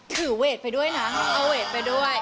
เวทไปด้วยนะเอาเวทไปด้วย